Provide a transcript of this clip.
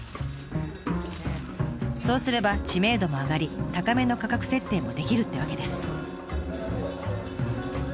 そうすれば知名度も上がり高めの価格設定もできるってわけです。